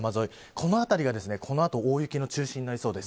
この辺りが、この後大雪の中心になりそうです。